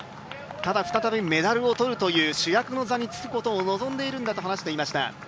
ただ再びメダルを取るという主役の座につくことを望んでいるんだという話もしていました。